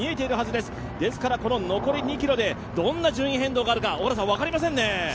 ですから残り２ｋｍでどんな順位変動があるか分かりませんね。